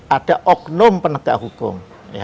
ada oknum penegak hukum